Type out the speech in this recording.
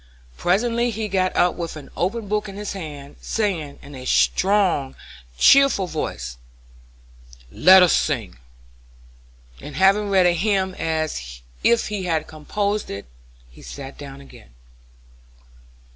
Presently he got up with an open book in his hand, saying, in a strong, cheerful voice: "Let us sing," and having read a hymn as if he had composed it, he sat down again.